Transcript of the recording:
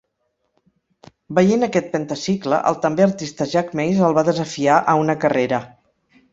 Veient aquest "Pentacicle", el també artista Jack Mays el va desafiar a una carrera.